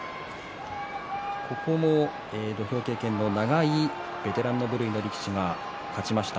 ここも土俵経験の長いベテランの部類の力士が勝ちました。